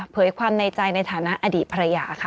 ความในใจในฐานะอดีตภรรยาค่ะ